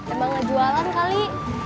emang gak jualan kali